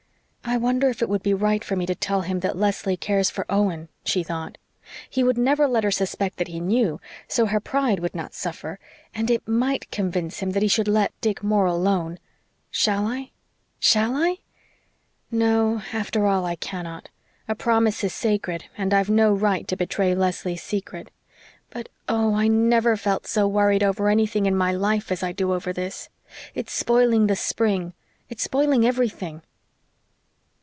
"I wonder if it would be right for me to tell him that Leslie cares for Owen," she thought. "He would never let her suspect that he knew, so her pride would not suffer, and it MIGHT convince him that he should let Dick Moore alone. Shall I shall I? No, after all, I cannot. A promise is sacred, and I've no right to betray Leslie's secret. But oh, I never felt so worried over anything in my life as I do over this. It's spoiling the spring it's spoiling everything."